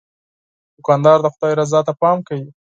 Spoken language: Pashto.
دوکاندار د خدای رضا ته پام کوي.